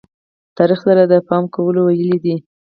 تاریخ سره د پام کولو ویلې دي.